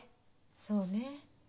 そうね。